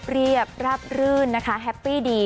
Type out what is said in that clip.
เรียบราบรื่นนะคะแฮปปี้ดี